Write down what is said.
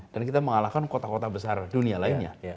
dan kita mengalahkan kota kota besar dunia lainnya